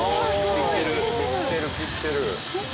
切ってる切ってる。